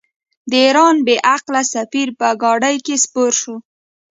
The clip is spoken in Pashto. د ایران بې عقل سفیر په ګاډۍ کې سپور شو.